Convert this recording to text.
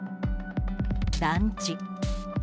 団地。